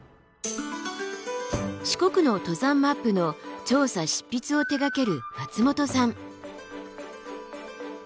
四国の登山マップの調査執筆を手がける松本さん。